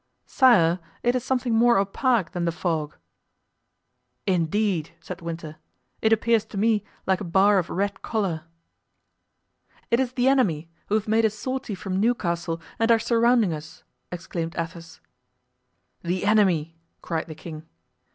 "Sire, it is something more opaque than the fog." "Indeed!" said Winter, "it appears to me like a bar of red color." "It is the enemy, who have made a sortie from Newcastle and are surrounding us!" exclaimed Athos. "The enemy!" cried the king.